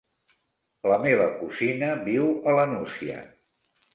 La meva cosina viu a la Nucia.